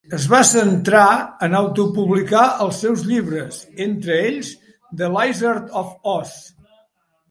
Es va centrar en autopublicar els seus llibres, entre ells "The Lizard of Oz".